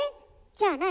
じゃあ何？